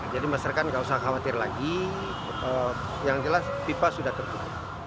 jadi masyarakat enggak usah khawatir lagi yang jelas pipa sudah tertutup